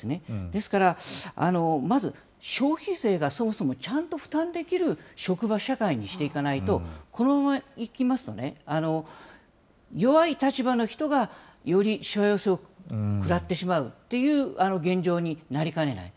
ですから、まず、消費税がそもそもちゃんと負担できる職場、社会にしていかないと、このままいきますと、弱い立場の人がよりしわ寄せを食らってしまうっていう現状になりかねない。